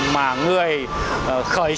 mà người khởi sưu